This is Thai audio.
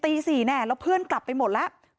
มีชายแปลกหน้า๓คนผ่านมาทำทีเป็นช่วยค่างทาง